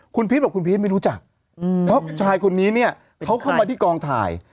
คุณพีชบอกคุณพีชไม่รู้จักเพราะชายคนนี้เนี่ยเขาเข้ามาที่กองถ่าย